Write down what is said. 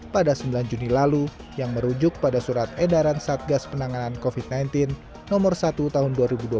pada sembilan juni lalu yang merujuk pada surat edaran satgas penanganan covid sembilan belas nomor satu tahun dua ribu dua puluh